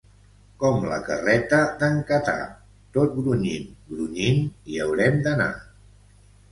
Com la carreta d'en Catà: tot grunyint, grunyint, hi haurem d'anar.